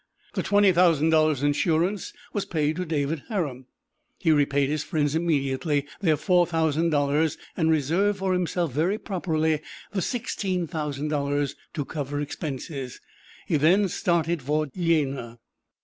The twenty thousand dollars' insurance was paid to David Harum. He repaid his friends immediately their four thousand dollars, and reserved for himself, very properly, the sixteen thousand dollars to cover expenses. He then started for Jena.